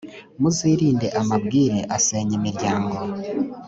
muzirinde amabwire asenya imiryangooo